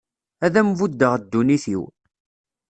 Ad am-buddeɣ ddunit-iw.